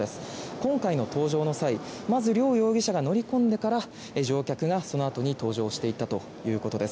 今回の搭乗の際、まず両容疑者が乗り込んでから乗客がそのあとに搭乗していったということです。